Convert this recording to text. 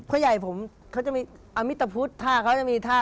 พ่อใหญ่ผมเขาจะมีอมิตพุทธท่าเขาจะมีท่า